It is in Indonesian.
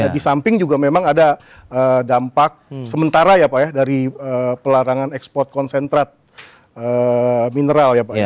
di samping juga memang ada dampak sementara ya pak ya dari pelarangan ekspor konsentrat mineral ya pak